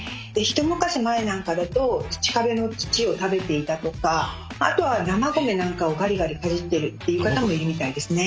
一昔前なんかだと土壁の土を食べていたとかあとは生米なんかをガリガリかじってるっていう方もいるみたいですね。